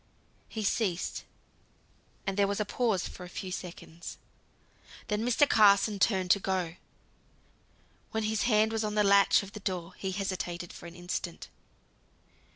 He ceased, and there was a pause of a few seconds. Then Mr. Carson turned to go. When his hand was on the latch of the door, he hesitated for an instant.